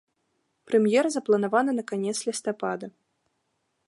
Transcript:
Прэм'ера запланавана на канец лістапада.